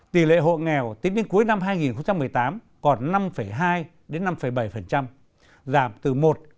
tỷ lệ hộ nghèo tính đến cuối năm hai nghìn một mươi tám còn năm hai năm bảy giảm từ một năm